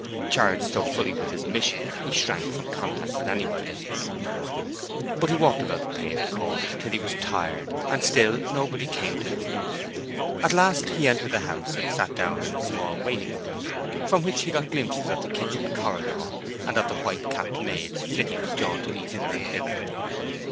Charged so fully with his mission, he shrank from contact with anybody. But he walked about the paved court till he was tired, and still nobody came to him. At last he entered the house and sat down in a small waiting room, from which he got glimpses of the kitchen corridor, and of the white capped maids flitting jauntily hither and thither.